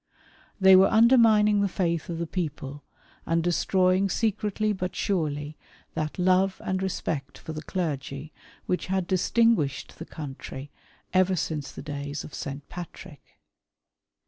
They were undermining the Faith of the people and destroying secretly but surely that love and respect for the clergy which had distinguished the country ever since the days of St. Patrick.